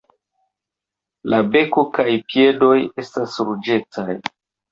La beko kaj piedoj estas ruĝecaj.